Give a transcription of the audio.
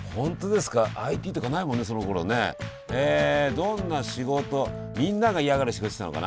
どんな仕事みんなが嫌がる仕事してたのかな？